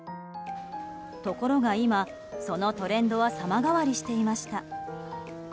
ところが今、そのトレンドは様変わりしていました。